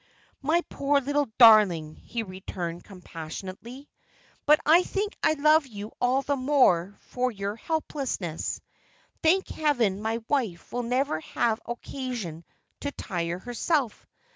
"My poor little darling," he returned, compassionately. "But I think I love you all the more for your helplessness. Thank Heaven, my wife will never have occasion to tire herself.